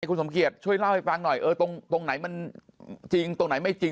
คุณสมเกียจช่วยเล่าให้ฟังหน่อยตรงไหนมันจริงตรงไหนไม่จริง